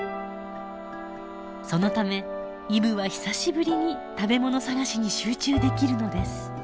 そのためイブは久しぶりに食べ物探しに集中できるのです。